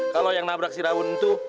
kalo yang nabrak si raun itu